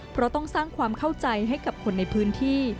เพราะต้องสร้างความเข้าใจให้กับคนในพื้นที่